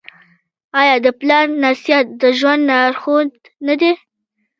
آیا د پلار نصیحت د ژوند لارښود نه دی؟